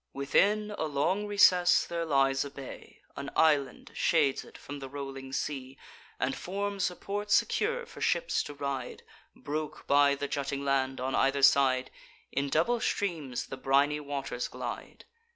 Within a long recess there lies a bay: An island shades it from the rolling sea, And forms a port secure for ships to ride; Broke by the jutting land, on either side, In double streams the briny waters glide.